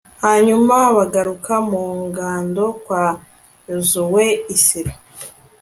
hanyuma bagaruka mu ngando kwa yozuwe i silo